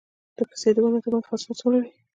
د پستې د ونو ترمنځ فاصله څومره وي؟